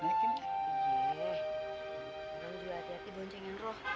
kamu juga hati hati boncenganroh